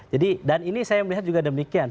jadi dan ini saya melihat juga demikian